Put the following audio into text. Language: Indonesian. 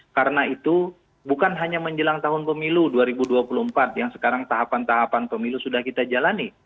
karena itu bukan hanya menjelang tahun pemilu dua ribu dua puluh empat yang sekarang tahapan tahapan pemilu sudah kita jalani